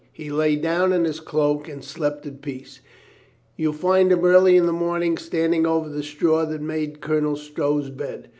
He lay down in his cloak and slept at peace. You find him early in the morning standing over the straw that made Colonel Stow's bed.